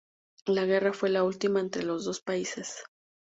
La guerra fue la última entre los dos países.